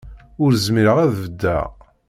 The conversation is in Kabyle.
Ur zmireɣ ad beddeɣ.